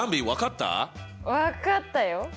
分かったよ。